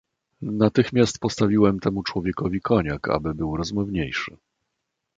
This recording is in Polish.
"Natychmiast postawiłem temu człowiekowi koniak, aby był rozmowniejszy."